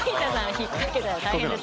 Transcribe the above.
ひっかけたら大変です